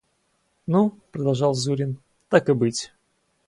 – Ну, – продолжал Зурин, – так и быть.